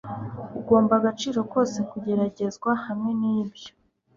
Ugomba agaciro kose kugeragezwa hamwe nibyo